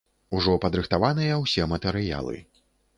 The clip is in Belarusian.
Ужо падрыхтаваныя ўсе матэрыялы.